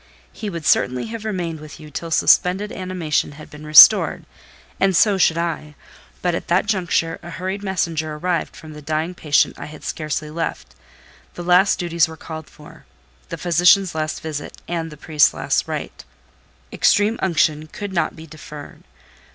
He would certainly have remained with you till suspended animation had been restored: and so should I, but, at that juncture, a hurried messenger arrived from the dying patient I had scarcely left—the last duties were called for—the physician's last visit and the priest's last rite; extreme unction could not be deferred.